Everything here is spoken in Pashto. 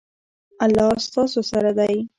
الله ستاسو سره دی